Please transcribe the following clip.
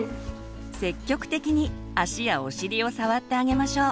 積極的に足やお尻を触ってあげましょう。